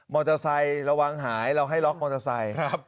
มอเตอร์ไซด์ระวังหายเราให้ล็อกมอเตอร์ไซด์